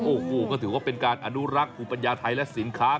โอ้โหก็ถือว่าเป็นการอนุรักษ์ภูมิปัญญาไทยและสินค้า